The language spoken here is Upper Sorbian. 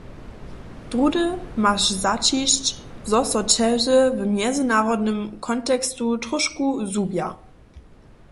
Druhdy maš zaćišć, zo so ćeže w mjezynarodnym konteksće tróšku zhubja.